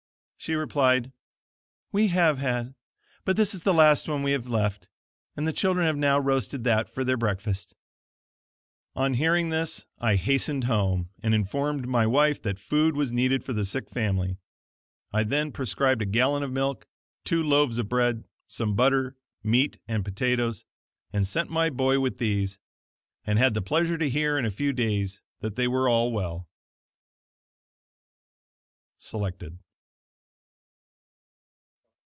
She replied, "We have had, but this is the last one we have left; and the children have now roasted that for their breakfast." On hearing this, I hastened home, and informed my wife that food was needed for the sick family. I then prescribed a gallon of milk, two loaves of bread, some butter, meat and potatoes, and sent my boy with these; and had the pleasure to hear in a few days that they were all well. Selected.